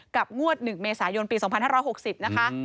กับงวดหนึ่งเมษายนปี๒๕๖๐นะคะ